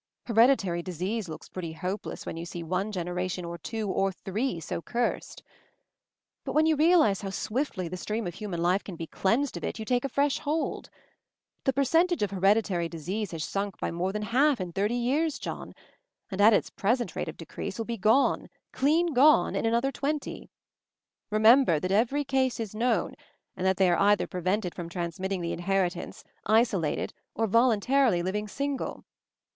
Hereditary disease looks pretty hopeless when you see one generation or two or three so cursed. But when you realize how swiftly the stream of human life can be cleansed of it, you take a fresh hold. The percentage MOVING THE MOUNTAIN 253 of hereditary disease has sunk by more than half in thirty years, John, and at its present rate of decrease will be gone, clean gone, in another twenty. Remember that every case is known, and that they are either prevented from transmitting the inheritance, isolated, or voluntarily living single.